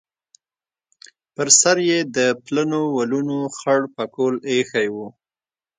پر سر یې د پلنو ولونو خړ پکول ایښی و.